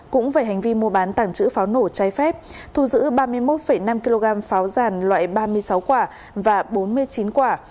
cũng về hành vi mua bán tàng trữ pháo nổ trái phép thu giữ ba mươi một năm kg pháo giàn loại ba mươi sáu quả và bốn mươi chín quả